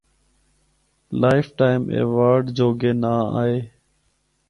Life time award جوگے ناں آئے۔